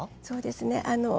そうですね